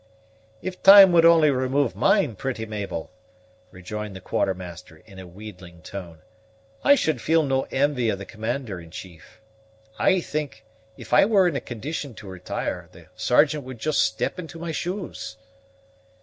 "If time would only remove mine, pretty Mabel," rejoined the Quartermaster in a wheedling tone, "I should feel no envy of the commander in chief. I think if I were in a condition to retire, the Sergeant would just step into my shoes."